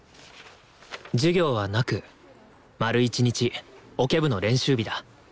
授業はなく丸一日オケ部の練習日だ